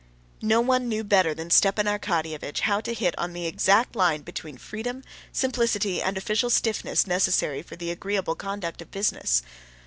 No one knew better than Stepan Arkadyevitch how to hit on the exact line between freedom, simplicity, and official stiffness necessary for the agreeable conduct of business.